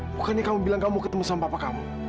bukannya kamu bilang kamu mau ketemu sama papa kamu